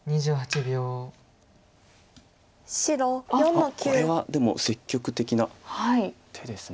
あっこれはでも積極的な手です。